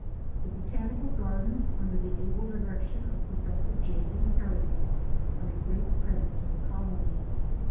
The Botanical Gardens, un der the able direction of Prof. J. B. Harrison, are a_ great credit to the colony.